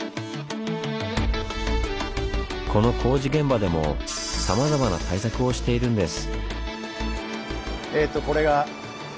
この工事現場でもさまざまな対策をしているんです。